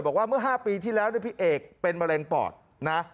บอกว่าเมื่อ๕ปีที่แล้วพี่เอกเป็นมะเร็งปอดนะ